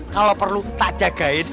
kalau perlu tak jagain